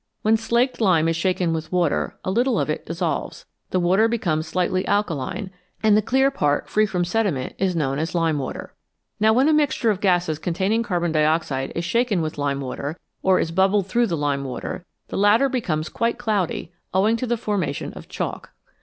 When slaked lime is shaken with water, a little of it dissolves, the water becomes slightly alkaline, and the clear part free from sediment is known as lime water. Now when a mixture of gases containing carbon dioxide is shaken with lime water, or is bubbled through the lime water, the latter becomes quite cloudy, owing to the formation of chalk.